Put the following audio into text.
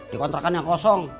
di kontrakan yang kosong